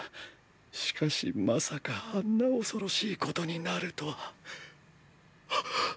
しかしまさかあんな恐ろしいことになるとは。ッ！！